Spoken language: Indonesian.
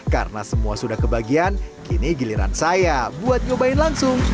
karena semua sudah kebagian kini giliran saya buat nyobain langsung